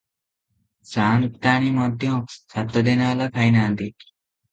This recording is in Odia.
ସାଆନ୍ତାଣୀ ମଧ୍ୟ ସାତଦିନ ହେଲା ଖାଇନାହାନ୍ତି ।